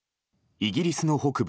イギリスの北部